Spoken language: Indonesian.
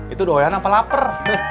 itu doyan apa lapar